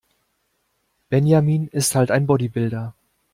Benjamin ist halt ein Bodybuilder.